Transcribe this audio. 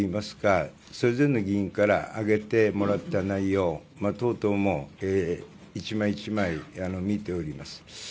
私もそれぞれの議員から上げてもらった内容等々も１枚１枚見ております。